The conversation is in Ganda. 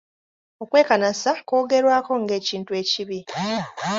Okwekanasa kwogerwako ng'ekintu ekibi.